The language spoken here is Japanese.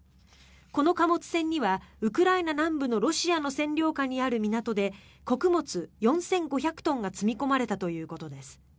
この貨物船にはウクライナ南部のロシアの占領下にある港で穀物４５００トンが積み込まれたということです。